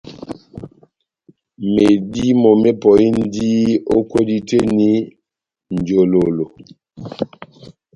Medímo mepɔhindi o kwedi tɛh eni njololo